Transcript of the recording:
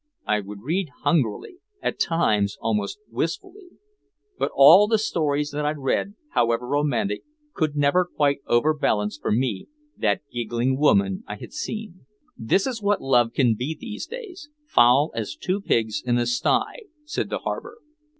I would read hungrily, at times almost wistfully. But all the stories that I read, however romantic, could never quite overbalance for me that giggling woman I had seen. "This is what love can be these days, foul as two pigs in a sty," said the harbor.